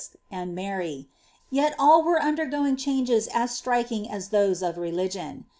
and Mary; yet all mn undergoing changes as striking as those of religion.